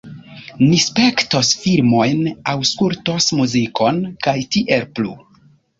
Ni spektos filmojn, aŭskultos muzikon, kaj tiel plu